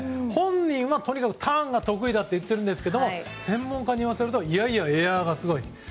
本人は、とにかくターンが得意だって言ってるんですが専門家にいわせるといやいや、エアがすごいと。